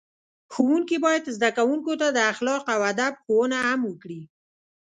ښوونکي باید زده کوونکو ته د اخلاقو او ادب ښوونه هم وکړي.